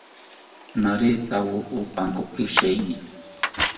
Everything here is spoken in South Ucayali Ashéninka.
Naretawo opankoki sheeni